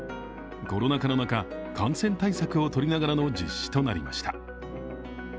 コロナ禍の中、感染対策を取りながらの実施となりました。